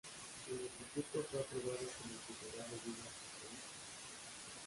El instituto fue aprobado como sociedad de vida apostólica.